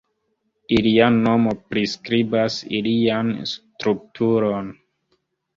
Ilia nomo priskribas ilian strukturon.